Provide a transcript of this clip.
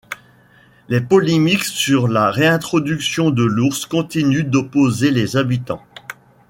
Les polémiques sur la réintroduction de l'ours continuent d'opposer les habitants.